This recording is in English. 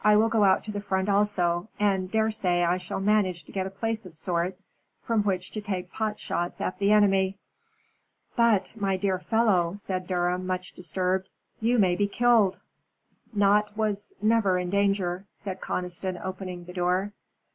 I go out to the Front also, and daresay I shall manage to get a place of sorts, from which to take pot shots at the enemy." "But, my dear fellow," said Durham, much disturbed, "you may be killed." "'Naught was never in danger,'" said Conniston, opening the door.